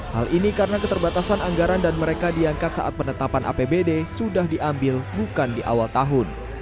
hal ini karena keterbatasan anggaran dan mereka diangkat saat penetapan apbd sudah diambil bukan di awal tahun